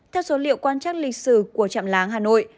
theo số liệu quan trắc lịch sử của trạm láng hà nội